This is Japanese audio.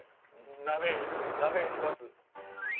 鍋します？